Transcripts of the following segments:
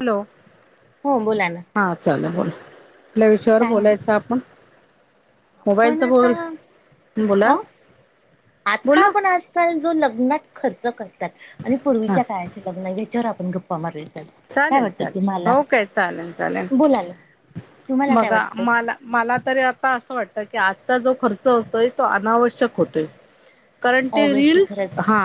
Hello, हो बोला ना हा चालू आहे. बोला... कुठल्या विषयावर बोलायच आपण? आपण मोबाईलच आता बोल बोला अ आता बोला आपण आजकाल जो लग्नात खर्च करतात आणि हा पूर्वीच्या काळाचे लग्न याच्यावर आपण गप्पा मारूयात. आज काय चालेल वाटतं चालेल तुम्हाला हो काय चालेल चालेल बोला ना तुम्हाला काय बघा वाटतं मला मला तरी आता असं वाटत. की आजचा जो खर्च होतोय तो अनावश्यक होतोय. कारण ते ऑब्विसली रिल्स खरंच आहे. हा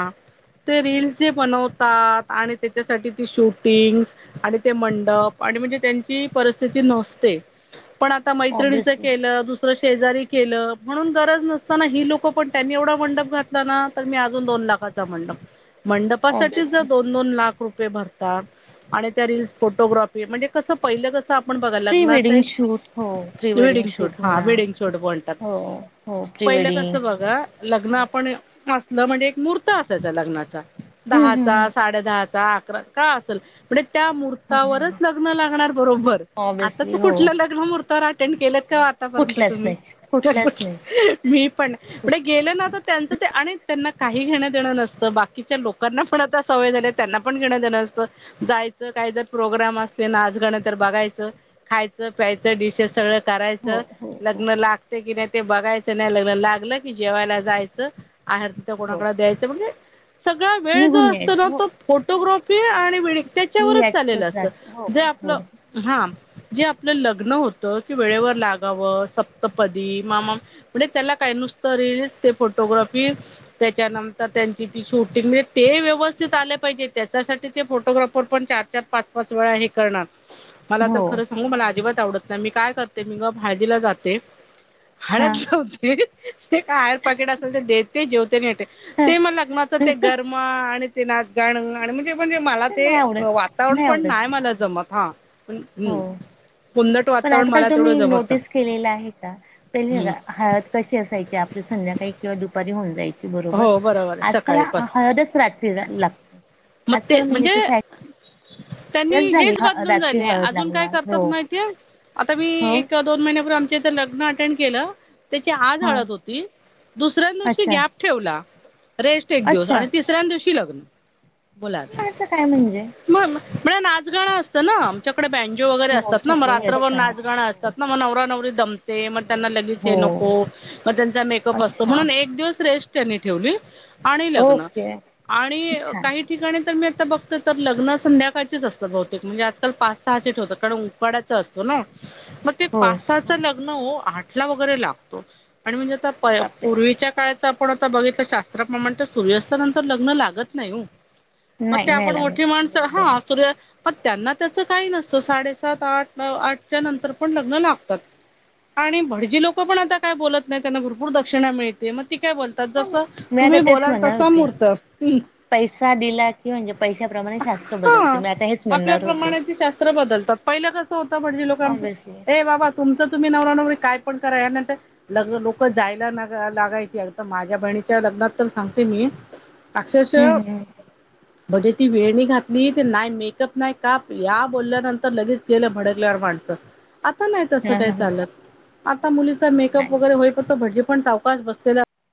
ते रिल्स जे बनवतात आणि त्याच्यासाठी ती शूट आणि ते मंडप आणि म्हणजे त्यांची परिस्थिती नसते, पण आता मैत्रीणीच ऑब्विसली केलं दुसर--, शेजारी केलं म्हणून गरज नसताना ही लोकं पण त्यांनी एवढा मंडप घातला ना तर मी अजून दोन लाख चा मंडप मंडपासाठी जर ऑब्विसली दोन दोन लाख रुपये भर आणि त्या रील्स फोटोग्राफी म्हणजे कस पहिलं कस आपण बघा प्री लग्नाच वेडिंग एक शूट हो प्री वेडिंग शूट हा म्हणा वेडिंग शूट बोलतात. हो हो प्री पहिलं वेडिंग कसं बघा लग्न ह आपण मस्त म्हणजे एक मूर्त असायच लग्नाचा हम्म हम्म दहाचा, साडे दहाचा, अकरा, का असेल म्हेण त्या ह ह महर्तावरच ह लग्न लागणार बरोबर आताच ऑब्विसली हो कुठलं लग्न महूर्तावर अटेंड केलंत का आतापर्यंत कुठलाच तुम्ही नाही कुठलाच नाही मी पण पुढे गेलना तर त्यांचं ते आणि त्यांना काही घेणं देणं नसतं बाकीच्या लोकांना पण आता सवय झाली त्यांना पण घेणं देणं नसतं जायचं काही जर प्रोग्राम असले नाचगणं तर बघाचं खायचं प्यायचं डिशेस सगळ हो करायचं हो हो लग्न लागते की नाही ते बघायचं नाही लग्न लागलं कि जेवायला जायचं आहेर तिथ हो कोणाकडे द्यायचं म्हणजे सगळा वेळ जो निघून असतो ना यायचं हो तो फोटोग्राफी पी आणि विडींग मी त्याच्यावरच चाललेलं याच्यातच असत जाते हो जे हो आपलं हा जे आपलं लग्न होत की वेळेवर लागावं सप्तपदी मामा म्हणजे त्याला काही नुसत रील फोटोग्राफी त्याच्यानंतर त्यांची ती शूटिंग म्हणजे ते व्यवस्थित आलं पाहिजे त्यासाठी ते फोटोग्राफर पण चार चार पाच पाच वेळा हे करणार मला तर हो खरं सांगू मला अजिबात आवडत नाही मी काय करते मी हाळदीला जाते हा हाळद लावते ते काय हयर पॅकेट असेल ते देते जेवते अण हा ते मग लग्नाचं ते गरम आणि ते नाचगाणं आणि म्हणजे म्हणजे मला ते नाही आवडत वातावरण पण आवडत नाही मला जमत हा हो हम् पण आजकाल तुम्ही नोटीस केलेल आहे का म्हणजे हम्म बघा हळद कशी असायची आपली संध्याकाळी किवा दुपारी होऊन जाय हो बरोबर आहे आजकाल सकाळी पण हळदच रात्री लागते आजकाल म्हणजे ते का त्यांनी हेच बदलून झाले हळद अजून काय लागणार हो करतात माहितीय आता मी हो एक दोन महिन्यापूर्वी आम त्याच लग्न अटेन्ड केल त्याची आज हा हळद होती दुसर्‍या दिवशी अच्छा गॅप ठेवला रेस्ट एक दिवस अच्छा आणि तिसऱ्या दिवशी लग्न बोला आता हे असं काय म्हणजे मग म्हणे नाचगाणं असतं ना आमच्या इकडे बँजो वगैरे हो असतात ना मग थकलेले राञभर असतात नाचगाणं असतात ना मग नवरा नवरी दमते मग त्यांना लगेच हे हो नको मग त्यांचा मेकअप असतो अच्छा म्हणून एक दिवस रेस्ट त्यांनी ठेवली आणि लग्न ओके आणि छान काही ठिकाणी तर मी आता बघते तर लग्न संध्याकाळचेच असतात बहुतेक म्हणजे आजकाल पाच सहा ठेवतं कारण उकाडाच असतो ना मग ते हो पाचसहाच लग्न ओ आठला वगैरे लागत आणि म्हणजे आता प बापरे पूर्वीच्या काळाचा कोण आता बघितलं शास्त्रा प्रमाणे तर सूर्यास्ता नंतर लग्न लागत नाही ओ मग नाही ते नाही आपण मोठी लागत माणस बरोबर आहे हा सूर्य मग त्यांना त्याचं काही नसतं साडेसात आठ आठच्या नंतर पण लग्न लागतात आणि भटजी लोक पण आता काय बोलत नाही त्यांना भरपूर दक्षिणा मिळते मग ती काय बोलत हा जस मग मी आता तुम्ही तेच बोलाल म्हणणार तस होते मूर्त पैसा दिला की म्हणजे पैशाप्रमाणे शास्त्र बदलते हा मी आता हेच म्हणणार होते आपल्याप्रमाणे ती शास्त्र बदलतात पहिलं कसं होतं भटजी ऑब्विसली लोकांचं ये बाबा तुमचं तुम्ही नवरा नवरी काय पण करा यानंतर लग्न लोक जायला लागायचे माझ्या बहिणीच्या लग्नात तर सांगते मी अक्षरशः हम्म हम्म म्हणजे ती वेणी घातली ते नाही मेकअप नाही का या बोलल्यानंतर लगेच गेलं भडकल्यावर माणस आता नाही तस हा काय हा हा. चालत आता मुलीचा मेकअप नाही वगरे होईपर्यंत तो भटजी आपण सावकाश बसलेला